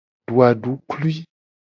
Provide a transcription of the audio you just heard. Du aduklui.